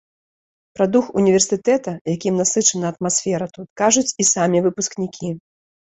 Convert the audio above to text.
Пра дух універсітэта, якім насычана атмасфера тут, кажуць і самі выпускнікі.